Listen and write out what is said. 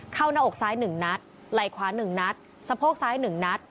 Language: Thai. หน้าอกซ้าย๑นัดไหล่ขวา๑นัดสะโพกซ้าย๑นัด